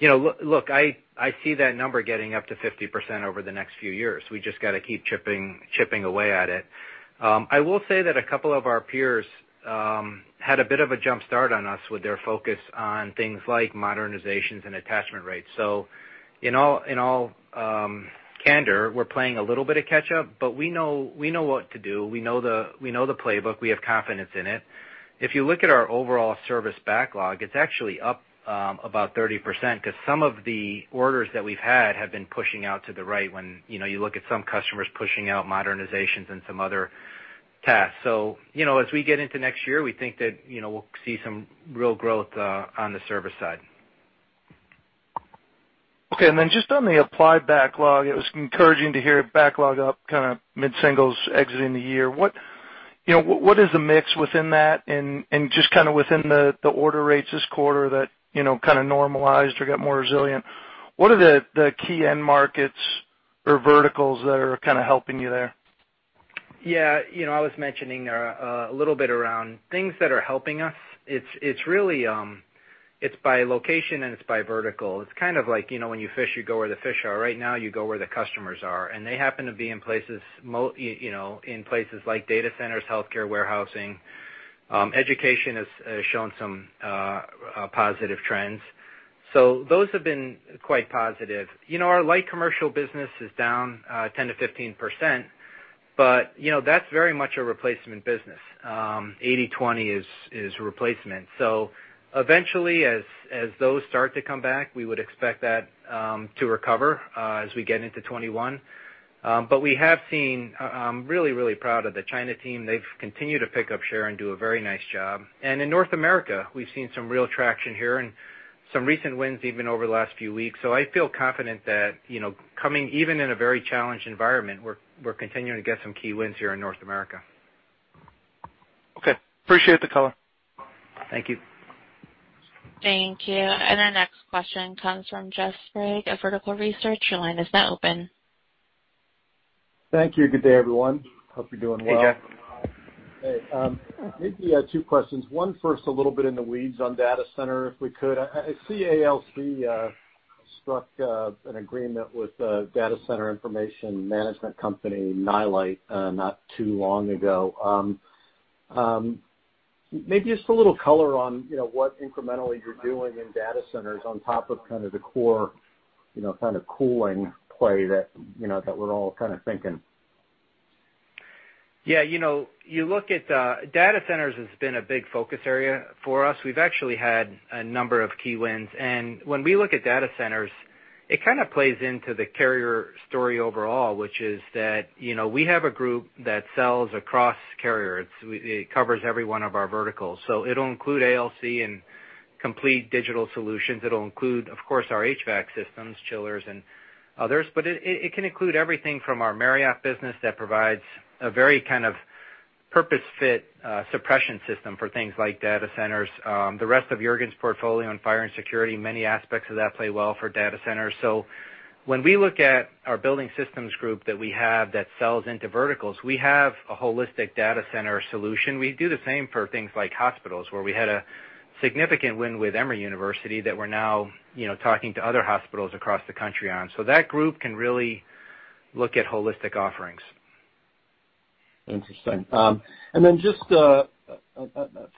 Look, I see that number getting up to 50% over the next few years. We just got to keep chipping away at it. I will say that a couple of our peers had a bit of a jumpstart on us with their focus on things like modernizations and attachment rates. In all candor, we're playing a little bit of catch up, but we know what to do. We know the playbook. We have confidence in it. If you look at our overall service backlog, it's actually up about 30%, because some of the orders that we've had have been pushing out to the right when you look at some customers pushing out modernizations and some other tasks. As we get into next year, we think that we'll see some real growth on the service side.
Okay, just on the applied backlog, it was encouraging to hear backlog up mid-singles exiting the year. What is the mix within that and just within the order rates this quarter that kind of normalized or got more resilient? What are the key end markets or verticals that are helping you there?
Yeah. I was mentioning a little bit around things that are helping us. It's by location and it's by vertical. It's kind of like when you fish, you go where the fish are. Right now, you go where the customers are. They happen to be in places like data centers, healthcare, warehousing. Education has shown some positive trends. Those have been quite positive. Our light commercial business is down 10%-15%, but that's very much a replacement business. 80/20 is replacement. Eventually, as those start to come back, we would expect that to recover as we get into 2021. I'm really proud of the China team. They've continued to pick up share and do a very nice job. In North America, we've seen some real traction here and some recent wins even over the last few weeks. I feel confident that coming even in a very challenged environment, we're continuing to get some key wins here in North America.
Okay. Appreciate the color.
Thank you.
Thank you. Our next question comes from Jeff Sprague of Vertical Research. Your line is now open.
Thank you. Good day, everyone. Hope you're doing well.
Hey, Jeff.
Hey. Maybe two questions. One first, a little bit in the weeds on data center, if we could. I see ALC struck an agreement with a data center information management company, Nlyte, not too long ago. Maybe just a little color on what incrementally you're doing in data centers on top of kind of the core cooling play that we're all kind of thinking.
Yeah. Data centers has been a big focus area for us. We've actually had a number of key wins. When we look at data centers, it kind of plays into the Carrier story overall, which is that we have a group that sells across Carrier. It covers every one of our verticals. It'll include ALC and complete digital solutions. It'll include, of course, our HVAC systems, chillers and others. It can include everything from our Marioff business that provides a very kind of purpose-fit suppression system for things like data centers. The rest of Jurgen's portfolio on fire and security, many aspects of that play well for data centers. When we look at our building systems group that we have that sells into verticals, we have a holistic data center solution. We do the same for things like hospitals, where we had a significant win with Emory University that we're now talking to other hospitals across the country on. That group can really look at holistic offerings.
Interesting. Just a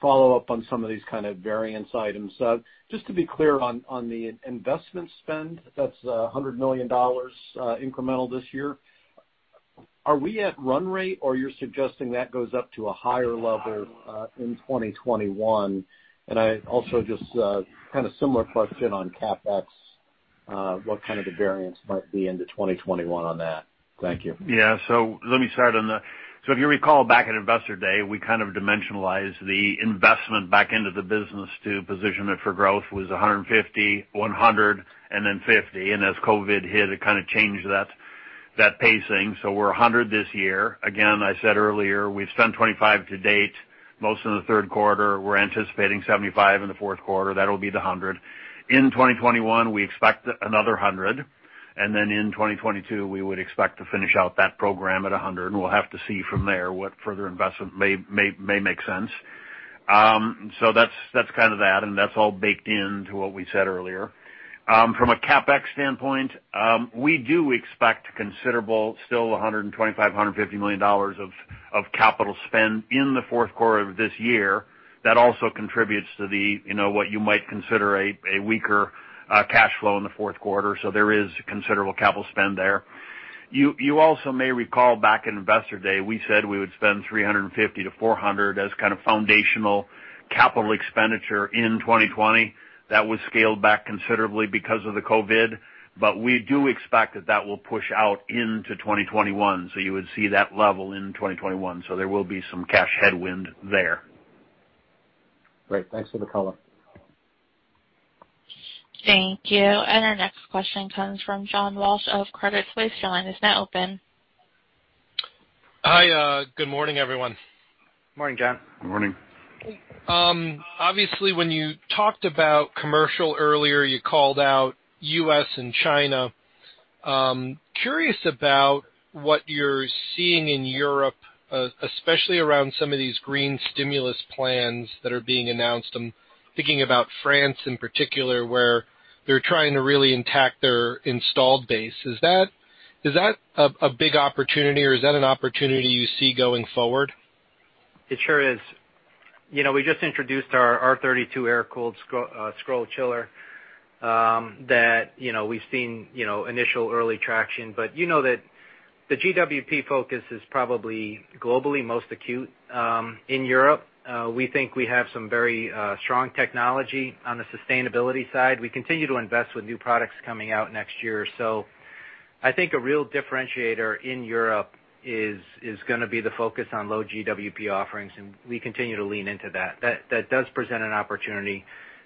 follow-up on some of these kind of variance items. Just to be clear on the investment spend, that's $100 million incremental this year. Are we at run rate or you're suggesting that goes up to a higher level in 2021? Also just kind of similar question on CapEx, what kind of the variance might be into 2021 on that? Thank you.
Let me start on the. If you recall back at Investor Day, we kind of dimensionalized the investment back into the business to position it for growth was $150 million, $100 million, and then $50 million. As COVID hit, it kind of changed that pacing. We're $100 million this year. Again, I said earlier, we've spent $25 million to date, most in the third quarter. We're anticipating $75 million in the fourth quarter. That'll be the $100 million. In 2021, we expect another $100 million. In 2022, we would expect to finish out that program at $100 million. We'll have to see from there what further investment may make sense. That's kind of that. That's all baked into what we said earlier. From a CapEx standpoint, we do expect considerable, still $125 million-$150 million of capital spend in the fourth quarter of this year. That also contributes to what you might consider a weaker cash flow in the fourth quarter. There is considerable CapEx there. You also may recall back at Investor Day, we said we would spend $350 million-$400 million as kind of foundational CapEx in 2020. That was scaled back considerably because of the COVID, we do expect that that will push out into 2021. You would see that level in 2021. There will be some cash headwind there.
Great. Thanks for the color.
Thank you. Our next question comes from John Walsh of Credit Suisse. Your line is now open.
Hi. Good morning, everyone.
Morning, John.
Good morning.
Obviously, when you talked about commercial earlier, you called out U.S. and China. Curious about what you're seeing in Europe, especially around some of these green stimulus plans that are being announced. I'm thinking about France in particular, where they're trying to really intact their installed base. Is that a big opportunity, or is that an opportunity you see going forward?
It sure is. We just introduced our R32 air-cooled scroll chiller that we've seen initial early traction. You know that the GWP focus is probably globally most acute in Europe. We think we have some very strong technology on the sustainability side. We continue to invest with new products coming out next year. I think a real differentiator in Europe is going to be the focus on low GWP offerings, and we continue to lean into that. That does present an opportunity.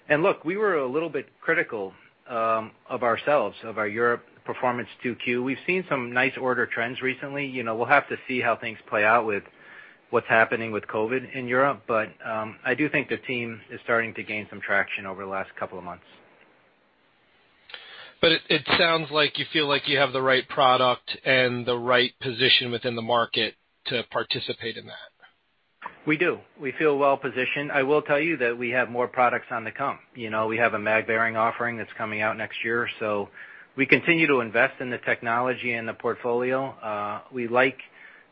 Look, we were a little bit critical of ourselves, of our Europe performance 2Q. We've seen some nice order trends recently. We'll have to see how things play out with what's happening with COVID in Europe. I do think the team is starting to gain some traction over the last couple of months.
It sounds like you feel like you have the right product and the right position within the market to participate in that.
We do. We feel well positioned. I will tell you that we have more products on the come. We have a mag bearing offering that's coming out next year. We continue to invest in the technology and the portfolio. We like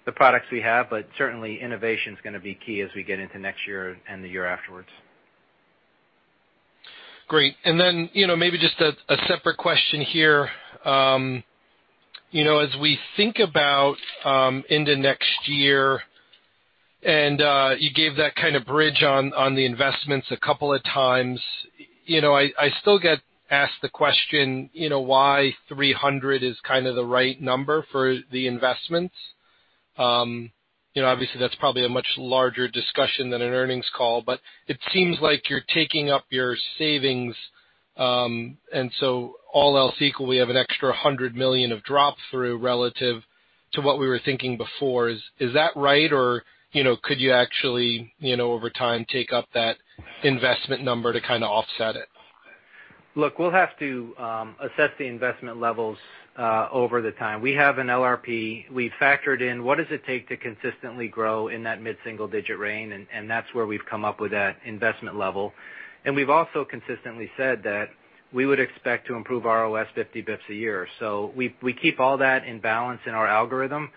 the products we have, but certainly innovation is going to be key as we get into next year and the year afterwards.
Great. Maybe just a separate question here. As we think about into next year, you gave that kind of bridge on the investments a couple of times. I still get asked the question, why 300 is kind of the right number for the investments. Obviously, that's probably a much larger discussion than an earnings call. It seems like you're taking up your savings, all else equal, we have an extra $100 million of drop through relative to what we were thinking before. Is that right? Could you actually, over time, take up that investment number to kind of offset it?
Look, we'll have to assess the investment levels over the time. We have an LRP. We factored in what does it take to consistently grow in that mid-single digit range, and that's where we've come up with that investment level. We've also consistently said that we would expect to improve ROS 50 bps a year. We keep all that in balance in our algorithm.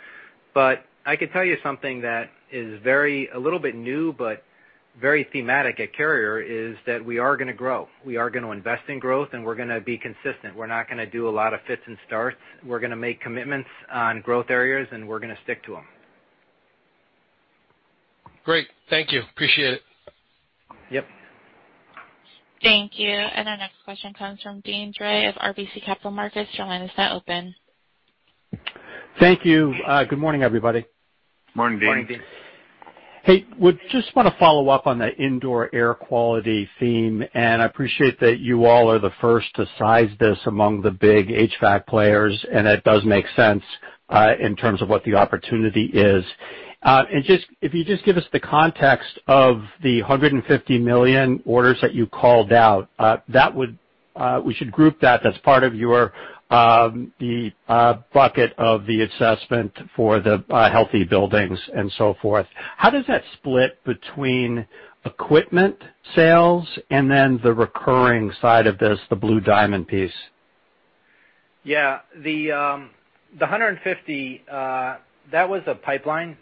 I could tell you something that is a little bit new, but very thematic at Carrier is that we are going to grow. We are going to invest in growth and we're going to be consistent. We're not going to do a lot of fits and starts. We're going to make commitments on growth areas, and we're going to stick to them.
Great. Thank you. Appreciate it.
Yep.
Thank you. Our next question comes from Deane Dray of RBC Capital Markets.
Thank you. Good morning, everybody.
Morning, Deane.
Morning, Deane.
Hey, I would just want to follow up on the indoor air quality theme, and I appreciate that you all are the first to size this among the big HVAC players, and it does make sense in terms of what the opportunity is. If you just give us the context of the $150 million orders that you called out, we should group that as part of the bucket of the assessment for the healthy buildings and so forth. How does that split between equipment sales and then the recurring side of this, the BlueDiamond piece?
Yeah. The 150, that was a pipeline.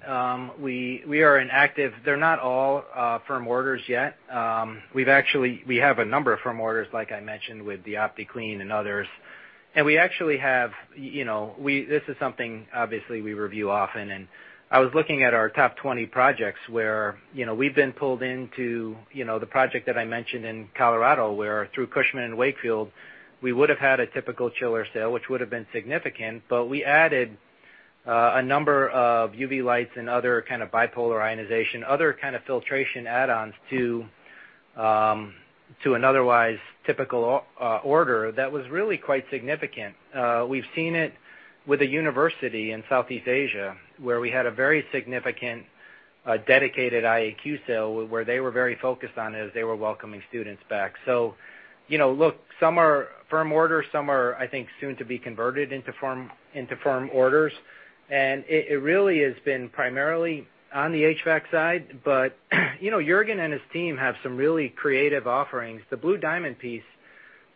They're not all firm orders yet. We have a number of firm orders, like I mentioned, with the OptiClean and others. This is something, obviously, we review often, and I was looking at our top 20 projects where we've been pulled into the project that I mentioned in Colorado, where through Cushman & Wakefield, we would have had a typical chiller sale, which would have been significant, but we added a number of UV lights and other kind of bipolar ionization, other kind of filtration add-ons to an otherwise typical order that was really quite significant. We've seen it with a university in Southeast Asia, where we had a very significant dedicated IAQ sale where they were very focused on as they were welcoming students back. Look, some are firm orders, some are, I think, soon to be converted into firm orders. It really has been primarily on the HVAC side, but Jurgen and his team have some really creative offerings. The BlueDiamond piece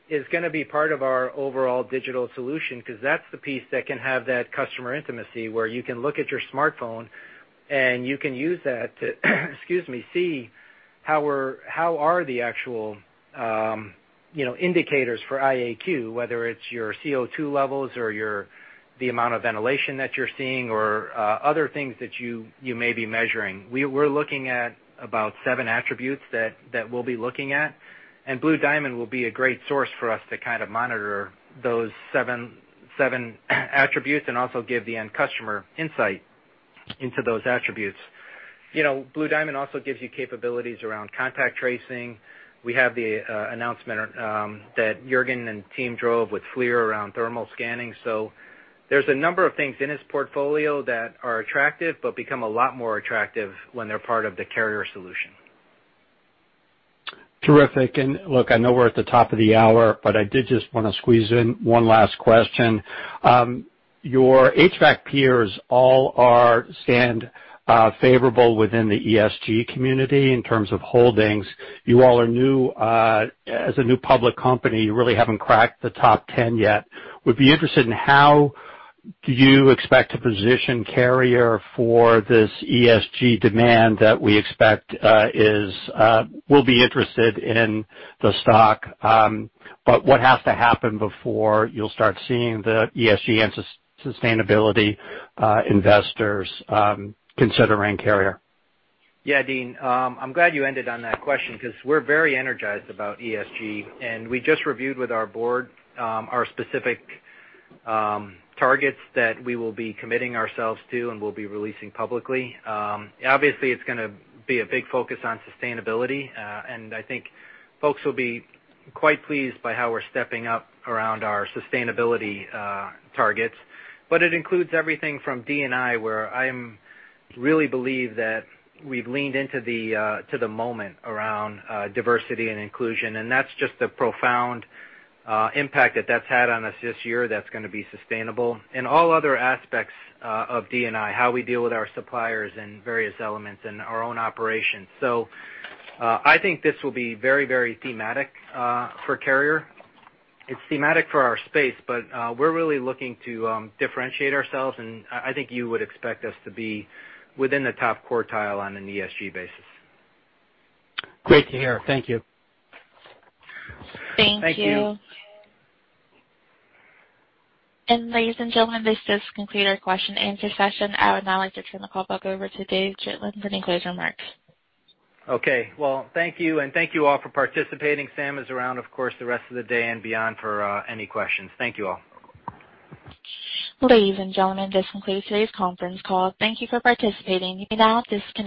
is going to be part of our overall digital solution because that's the piece that can have that customer intimacy where you can look at your smartphone and you can use that to excuse me, see how are the actual indicators for IAQ, whether it's your CO2 levels or the amount of ventilation that you're seeing or other things that you may be measuring. We're looking at about seven attributes that we'll be looking at, and BlueDiamond will be a great source for us to kind of monitor those seven attributes and also give the end customer insight into those attributes. BlueDiamond also gives you capabilities around contact tracing. We have the announcement that Jurgen and team drove with FLIR around thermal scanning. There's a number of things in his portfolio that are attractive but become a lot more attractive when they're part of the Carrier solution.
Terrific. Look, I know we're at the top of the hour, but I did just want to squeeze in one last question. Your HVAC peers all stand favorable within the ESG community in terms of holdings. You all are new. As a new public company, you really haven't cracked the top 10 yet. Would be interested in how do you expect to position Carrier for this ESG demand that we expect will be interested in the stock? What has to happen before you'll start seeing the ESG and sustainability investors considering Carrier?
Yeah, Deane, I'm glad you ended on that question because we're very energized about ESG, and we just reviewed with our board our specific targets that we will be committing ourselves to and will be releasing publicly. Obviously, it's going to be a big focus on sustainability, and I think folks will be quite pleased by how we're stepping up around our sustainability targets. But it includes everything from D&I, where I really believe that we've leaned into the moment around diversity and inclusion, and that's just the profound impact that that's had on us this year that's going to be sustainable. All other aspects of D&I, how we deal with our suppliers and various elements in our own operations. I think this will be very thematic for Carrier. It's thematic for our space, but we're really looking to differentiate ourselves, and I think you would expect us to be within the top quartile on an ESG basis.
Great to hear. Thank you.
Thank you.
Thank you.
Ladies and gentlemen, this does conclude our question-and-answer session. I would now like to turn the call back over to Dave Gitlin for any closing remarks.
Okay. Well, thank you. Thank you all for participating. Sam is around, of course, the rest of the day and beyond for any questions. Thank you all.
Ladies and gentlemen, this concludes today's conference call. Thank you for participating. You may now disconnect.